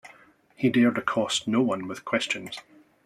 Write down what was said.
He dared accost no one with questions.